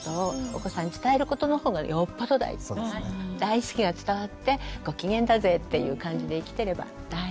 それと大好きが伝わってご機嫌だぜっていう感じで生きてれば大丈夫。